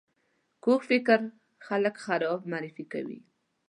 کوږ فکر خلک خراب معرفي کوي